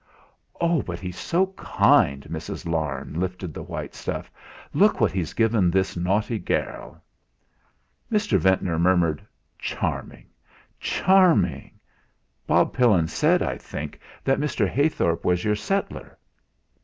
"Oh! but he's so kind!" Mrs. Larne lifted the white stuff: "Look what he's given this naughty gairl!" Mr. Ventnor murmured: "Charming! Charming! Bob Pillin said, I think, that Mr. Heythorp was your settlor."